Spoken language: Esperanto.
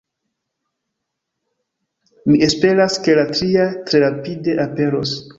Mi esperas, ke la tria tre rapide aperos.